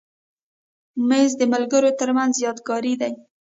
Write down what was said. مېز د ملګرو تر منځ یادګاري دی.